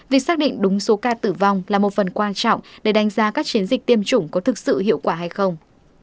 việc xác định đúng số ca tử vong là một phần quan trọng để đánh giá các chiến dịch tiêm chủng có thực sự hiệu quả hay không